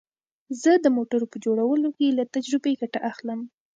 زه د موټرو په جوړولو کې له تجربې ګټه اخلم